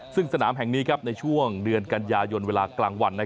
ซึ่งสนามแห่งนี้ในช่วงเดือนกันยายนเวลากลางวัน